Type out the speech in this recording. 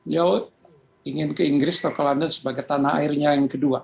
ya ingin ke inggris atau ke london sebagai tanah airnya yang kedua